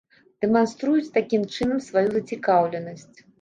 Дэманструюць такім чынам сваю зацікаўленасць.